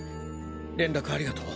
連絡ありがとう。